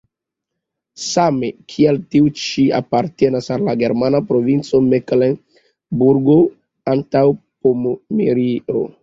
Same kiel tiu ĉi ĝi apartenas al la germana provinco Meklenburgo-Antaŭpomerio.